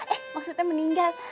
eh maksudnya meninggal